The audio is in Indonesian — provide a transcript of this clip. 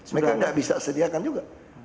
mereka tidak bisa sediakan juga